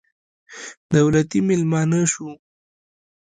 دولتي مېلمانه شوو.